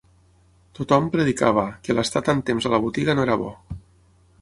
Tot-hom predicava, que l'estar tant temps a la botiga no era bo